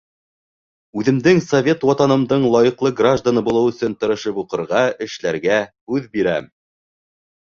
Үҙемдең Совет Ватанымдың лайыҡлы гражданы булыу өсөн тырышып уҡырға, эшләргә һүҙ бирәм...